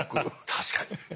確かに。